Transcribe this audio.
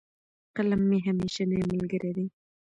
قلم مي همېشنی ملګری دی.